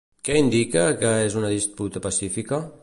Què indica que és una disputa pacífica?